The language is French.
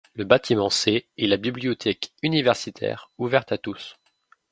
Le bâtiment C est la Bibliothèque universitaire ouverte à tous.